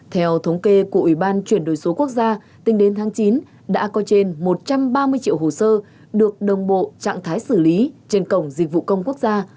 theo thống kê của ủy ban chuyển đổi số quốc gia tính đến tháng chín đã có trên một trăm ba mươi triệu hồ sơ được đồng bộ trạng thái xử lý trên cổng dịch vụ công quốc gia